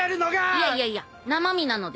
いやいやいや生身なので。